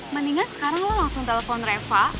mendingan sekarang lo langsung telepon refah